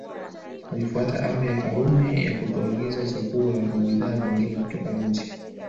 Alifuta Amri ya Karume ya kutoagiza chakula na bidhaa nyingine kutoka nje